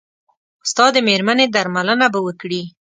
ستا د مېرمنې درملنه به وکړي.